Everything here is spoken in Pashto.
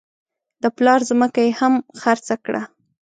د پلار ځمکه یې هم خرڅه کړه.